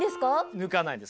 抜かないんです。